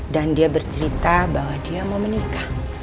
dan dia bercerita bahwa dia mau menikah